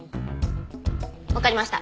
わかりました。